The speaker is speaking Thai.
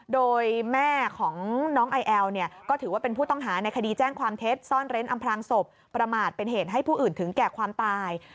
โดยแม่ของน้องไอแอลเนี่ยก็ถือว่าเป็นผู้ต้องหาในคดีแจ้งความเท็จซ่อนเร้นอำพลางศพประมาทเป็นเหตุให้ผู้อื่นถึงแก่ความตาย